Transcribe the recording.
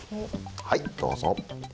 はいどうぞ。